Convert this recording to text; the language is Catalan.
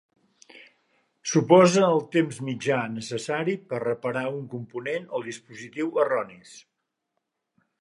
Suposa el temps mitjà necessari per reparar un component o dispositiu erronis.